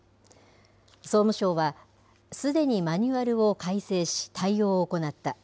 総務省は、すでにマニュアルを改正し、対応を行った。